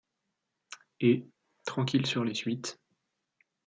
Et, tranquille sur les suites